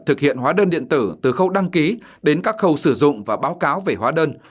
thực hiện hóa đơn điện tử từ khâu đăng ký đến các khâu sử dụng và báo cáo về hóa đơn